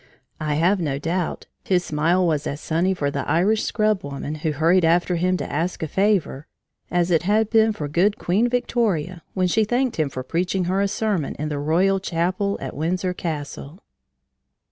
I have no doubt his smile was as sunny for the Irish scrub woman who hurried after him to ask a favor as it had been for good Queen Victoria when she thanked him for preaching her a sermon in the Royal Chapel at Windsor Castle.